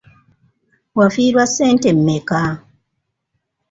Wafiirwa ssente mmeka?